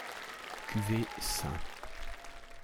Cuvée St.